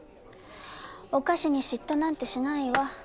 お菓子に嫉妬なんてしないわ。